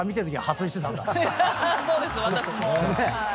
そうです私も。